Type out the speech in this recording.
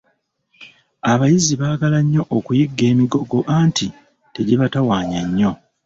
Abayizzi baagala nnyo okuyigga emigogo anti tegibatawaanya nnyo .